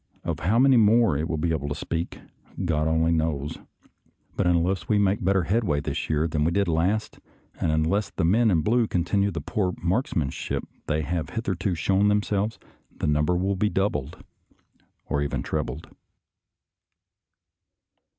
Of how many more it will be able to speak, God only knows, but, unless we 228 SOLDIER'S LETTERS TO CHARMING NELLIE make better headway this year than we did last, and unless the men in blue continue the poor marksmen they have hitherto shown themselves, the number will be doubled, or even trebled.